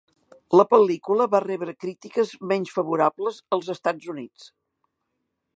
La pel·lícula va rebre crítiques menys favorables als Estats Units.